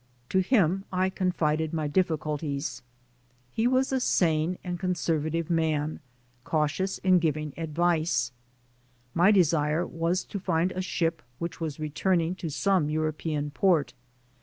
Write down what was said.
To him I con fided my difficulties. He was a sane and conserv IN THE AMERICAN STOEM 73 ative man, cautious in giving advice. My desire was to find a ship which was returning to some Euro pean port.